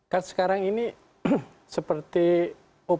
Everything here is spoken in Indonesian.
karena sekarang ini seperti kegiatan hukum